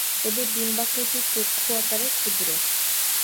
এদের ডিম্বাকৃতির চক্ষু আকারে ক্ষুদ্র।